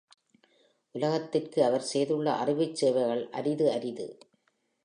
உலகத்திற்கு அவர் செய்துள்ள அறிவுச் சேவைகள் அரிதரிது!